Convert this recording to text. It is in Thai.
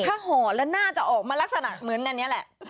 ถ้าห่อแล้วน่าจะออกมาลักษณะเหมือนอันนี้แหละ